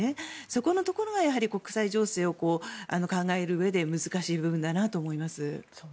そこのところが国際情勢を考えるうえで難しい部分だなと思います。